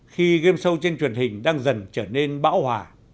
khi game show trên truyền hình đang dần trở nên bão hòa